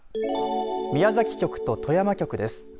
宮崎局と富山局です。